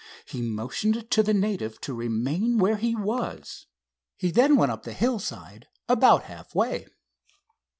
He motioned to the native to remain where he was. He then went up the hillside about half way.